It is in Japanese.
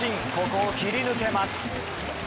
ここを切り抜けます。